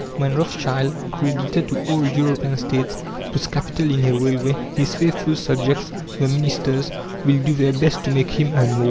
When Rothschild, creditor to all European States, puts capital in a railway, his faithful subjects, the ministers, will do their best to make him earn more.